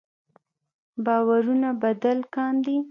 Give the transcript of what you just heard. باورونه بدل کاندي.